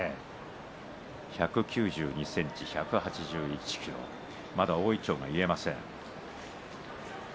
１９２ｃｍ１８１ｋｇまだ大いちょうが結えません。